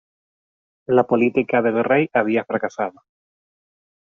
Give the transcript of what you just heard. La política del rey había fracasado.